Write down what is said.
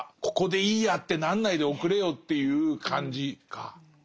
ここでいいやってなんないでおくれよっていう感じか。